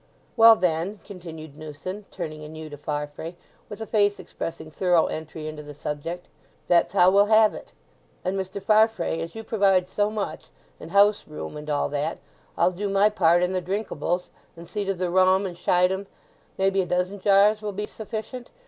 "Well, then," continued Newson, turning anew to Farfrae with a face expressing thorough entry into the subject, "that's how we'll have it. And, Mr. Farfrae, as you provide so much, and houseroom, and all that, I'll do my part in the drinkables, and see to the rum and schiedam—maybe a dozen jars will be sufficient?